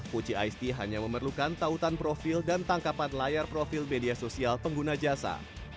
puji it hanya memerlukan tautan profil dan tangkapan layar profil media sosial pengguna jasa